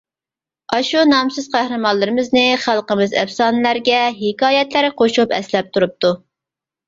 ئاشۇ نامسىز قەھرىمانلىرىمىزنى خەلقمىز ئەپسانىلەرگە، ھېكايەتلەرگە قوشۇپ ئەسلەپ تۇرۇپتۇ.